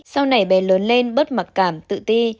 sau này bé lớn lên bất mặc cảm tự ti